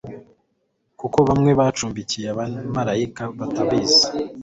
kuko bamwe bacumbikiye abamarayika batabizi